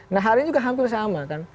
nah hari ini juga hampir sama kan